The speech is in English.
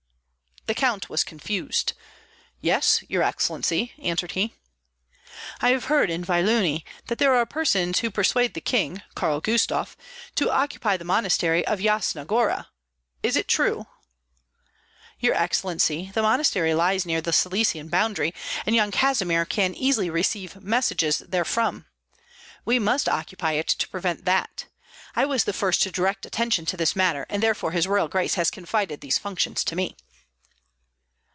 The count was confused. "Yes, your excellency," answered he. "I have heard in Vyelunie that there are persons who persuade the king, Karl Gustav, to occupy the monastery of Yasna Gora. Is it true?" "Your excellency, the monastery lies near the Silesian boundary, and Yan Kazimir can easily receive messages therefrom. We must occupy it to prevent that. I was the first to direct attention to this matter, and therefore his Royal Grace has confided these functions to me."